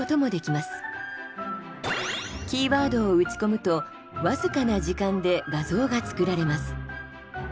キーワードを打ち込むと僅かな時間で画像が作られます。